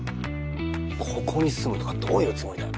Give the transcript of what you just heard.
ここに住むとかどういうつもりだよ。